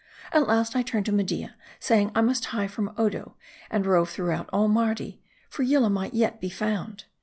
At last I turned to Media, saying I must hie from Odo, and rove throughout all Mardi ; for Yillah might yet be found.